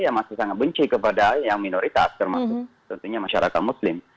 yang masih sangat benci kepada yang minoritas termasuk tentunya masyarakat muslim